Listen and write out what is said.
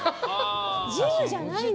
ジムじゃないんだ。